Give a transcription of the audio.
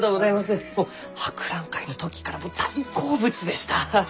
もう博覧会の時から大好物でした！